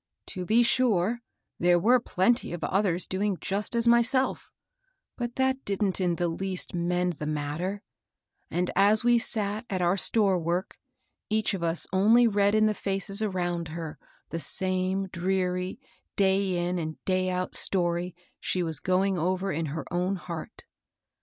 To be sure there were plenty of others doing just as my self; but that didn't in the least mend the mat ter; and as we sat at our store work, each of us only read in the feces around her the same dreary day in and day out story she was going over in her own heart.